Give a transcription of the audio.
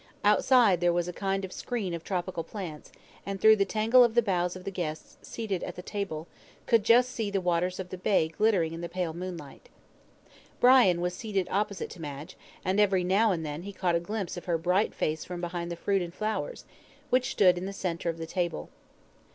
Outside there was a kind of screen of tropical plants, and through the tangle of the boughs the guests, seated at the table, could just see the waters of the bay glittering in the pale moonlight. Brian was seated opposite to Madge, and every now and then he caught a glimpse of her bright face from behind the fruit and flowers, which stood in the centre of the table.